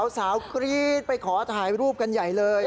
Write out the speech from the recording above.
สาวกรี๊ดไปขอถ่ายรูปกันใหญ่เลย